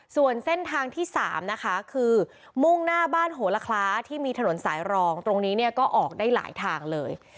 ส่วนเส้นทางที่๓นะคะคือมุ่งหน้าบ้านโหละคล้าที่มีถนนสายรองตรงนี้เนี่ยก็ออกได้หลายทางเลย